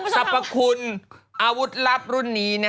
สรรพคุณอาวุธลับรุ่นนี้